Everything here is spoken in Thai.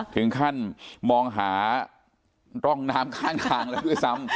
ถึงขั้นมองหาร่องน้ำข้างทางแล้วด้วยซ้ำ